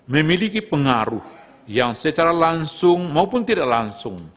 memiliki pengaruh yang secara langsung maupun tidak langsung